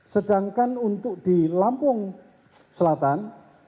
sedangkan untuk di lampung selatan